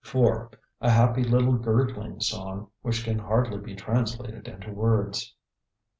4. A happy little gurgling song, which can hardly be translated into words.